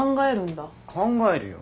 考えるよ。